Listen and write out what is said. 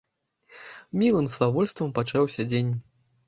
Мілым свавольствам пачаўся дзень.